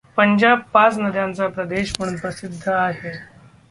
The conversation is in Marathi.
पंजाब पाच नद्यांचा प्रदेश म्हणून प्रसिद्ध आहे.